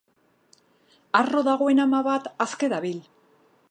Harro dagoen ama bat aske dabil!